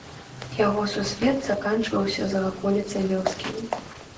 Яго сусвет заканчваўся за ваколіцай вёскі.